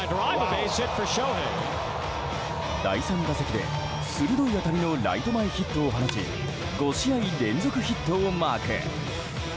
第３打席で鋭い当たりのライト前ヒットを放ち５試合連続ヒットをマーク。